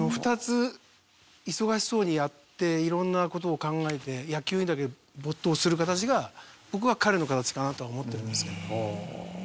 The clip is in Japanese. ２つ忙しそうにやって色んな事を考えて野球にだけ没頭する形が僕は彼の形かなとは思ってるんですけど。